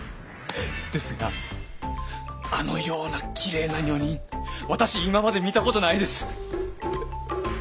ですがあのようなきれいな女人私今まで見たことないです！